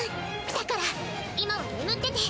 だから今は眠ってて。